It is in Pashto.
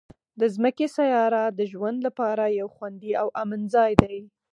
د ځمکې سیاره د ژوند لپاره یو خوندي او امن ځای دی.